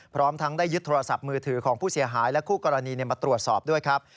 พร้อมทั้งได้ยึดโทรศัพท์มือถือของผู้เสียหายและคู่กรณีมาตรวจสอบด้วยครับ